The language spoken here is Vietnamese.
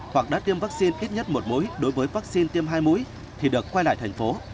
hoặc đã tiêm vaccine ít nhất một mũi đối với vaccine tiêm hai mũi thì được quay lại thành phố